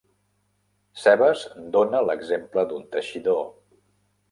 Cebes dóna l'exemple d'un teixidor.